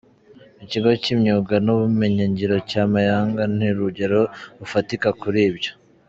Ikigo cy’imyuga n’ubumenyingiro cya Mayaga ni urugero rufatika kuri ibyo.